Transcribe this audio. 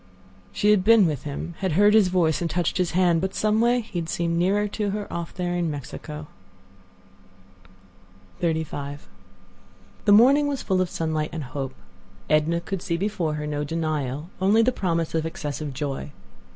She had been with him, had heard his voice and touched his hand. But some way he had seemed nearer to her off there in Mexico. XXXV The morning was full of sunlight and hope. Edna could see before her no denial—only the promise of excessive joy.